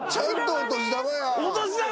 お年玉だ！